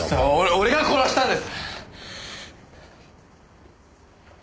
俺が殺したんです！